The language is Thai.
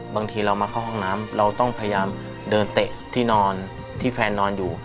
บางทีเรามาเข้าห้องน้ำเราต้องพยายามเดินเตะที่นอนที่แฟนนอนอยู่